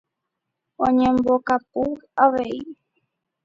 Oñembokapu avei.